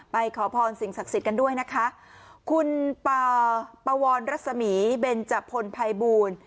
ขอพรสิ่งศักดิ์สิทธิ์กันด้วยนะคะคุณปวรรัศมีเบนจพลภัยบูล